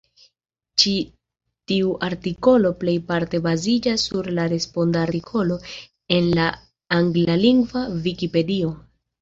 Ĉi tiu artikolo plejparte baziĝas sur la responda artikolo en la anglalingva Vikipedio.